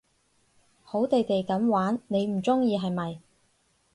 好地地噉玩你唔中意係咪？